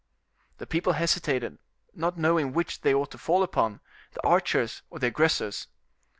The people hesitated, not knowing which they ought to fall upon, the archers or the aggressors.